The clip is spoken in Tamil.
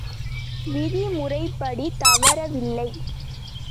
விதி முறைப்படி தவறில்லை.